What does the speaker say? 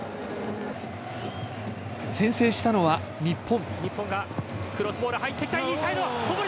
先制したのは日本。